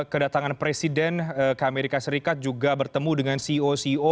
kedatangan presiden ke amerika serikat juga bertemu dengan ceo ceo